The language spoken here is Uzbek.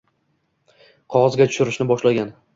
qog‘ozga tushirishni boshlagan.